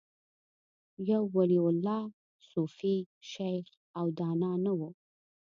یو ولي الله، صوفي، شیخ او دانا نه و